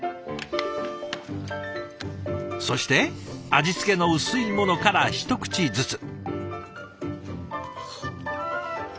そして味付けの薄いものから一口ずつ。